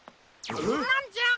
なんじゃ？